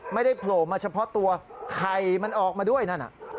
ไม่ได้โปรดมาเฉพาะตัวไข่มันออกมาด้วยนั่น